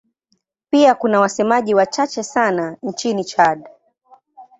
Pia kuna wasemaji wachache sana nchini Chad.